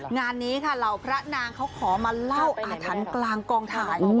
งานนี้ค่ะเหล่าพระนางเขาขอมาเล่าอาถรรพ์กลางกองถ่าย